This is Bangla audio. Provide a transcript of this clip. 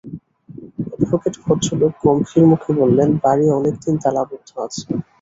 অ্যাডভোকেট ভদ্রলোক গম্ভীর মুখে বললেন, বাড়ি অনেক দিন তালাবন্ধ আছে।